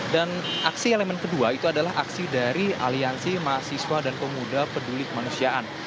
dan aksi elemen kedua itu adalah aksi dari aliansi mahasiswa dan pemuda peduli kemanusiaan